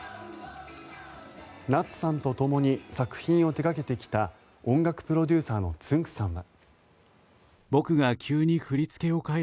夏さんとともに作品を手掛けてきた音楽プロデューサーのつんく♂さんは。